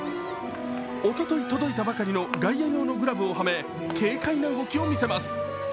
おととい届いたばかりの外野用のグラブをはめ軽快な動きをみせます。